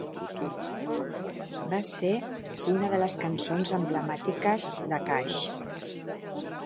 Va ser una de les cançons emblemàtiques de Cash.